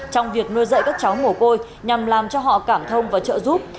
trong việc nuôi dạy các cháu mồ côi nhằm làm cho họ cảm thông và trợ giúp